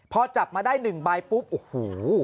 พอจับมาได้๑ใบปุ๊บโอ้โห